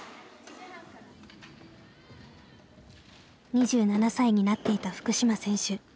２７歳になっていた福島選手。